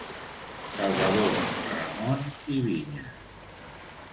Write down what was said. Salvador Ramon i Vinyes.